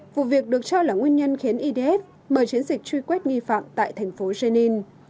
vụ việc được cho là nguyên nhân khiến idf mở chiến dịch truy quét nghi phạm tại thành phố jenni